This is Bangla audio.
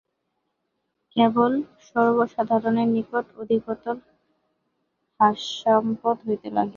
কেবল সর্বসাধারণের নিকট অধিকতর হাস্যাস্পদ হইতে লাগিল।